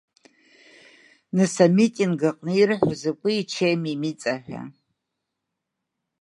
Нас амитинг аҟны ирҳәо закәи Чеми миҵа ҳәа?